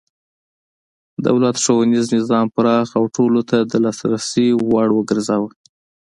دولت ښوونیز نظام پراخ او ټولو ته د لاسرسي وړ وګرځاوه.